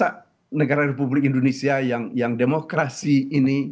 kita negara republik indonesia yang demokrasi ini